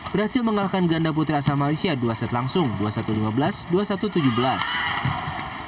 berhasil mengalahkan ganda putra asal malaysia dua set langsung dua puluh satu lima belas dua puluh satu tujuh belas